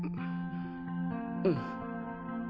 うん。